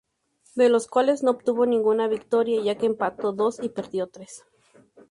De los cuales no obtuvo ninguna victoria ya que empató dos y perdió tres.